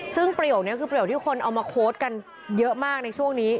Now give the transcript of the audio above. ซึ่งประโยคนี้คือประโยคที่คนเอามาโพสต์กันเยอะมากในช่วงนี้